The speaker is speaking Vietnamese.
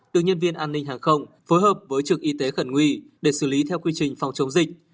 được nhân viên an ninh hàng không phối hợp với trực y tế khẩn nguy để xử lý theo quy trình phòng chống dịch